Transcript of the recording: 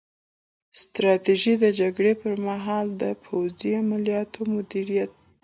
ستراتیژي د جګړې پر مهال د پوځي عملیاتو مدیریت دی